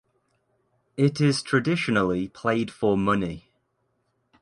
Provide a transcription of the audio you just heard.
It is traditionally played for money.